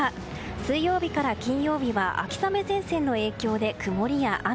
水曜日から金曜日は秋雨前線の影響で曇りや雨。